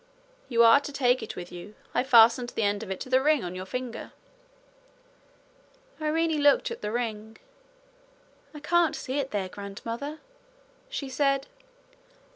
'You are to take it with you. I've fastened the end of it to the ring on your finger.' Irene looked at the ring. 'I can't see it there, grandmother,' she said.